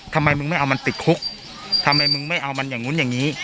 ทำไมมึงไม่เอามันติดคุกทำไมมึงไม่เอามันอย่างนู้นอย่างนี้